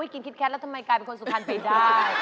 กินคิดแคทแล้วทำไมกลายเป็นคนสุพรรณไปได้